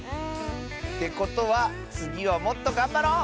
てことはつぎはもっとがんばろう！